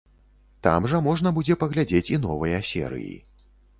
Там жа можна будзе паглядзець і новыя серыі.